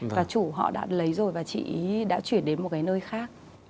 và chủ họ đã lấy rồi và chị đã chuyển đến một cái nơi khác